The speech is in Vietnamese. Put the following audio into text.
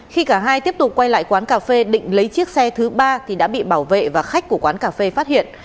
khi cả hai tiếp tục quay lại quán cà phê định lấy chiếc xe thứ ba thì đã bị bảo vệ và khách của quán cà phê phát hiện